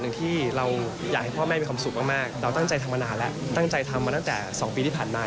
หนึ่งที่เราอยากให้พ่อแม่มีความสุขมากเราตั้งใจทำมานานแล้วตั้งใจทำมาตั้งแต่๒ปีที่ผ่านมา